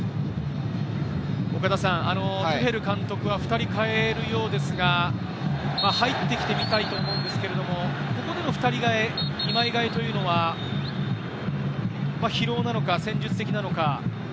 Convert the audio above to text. トゥヘル監督は２人代えるようですが、入ってきてみたいと思うんですけれど、ここでの２枚替えというのは、疲労なのか、戦術的なのか。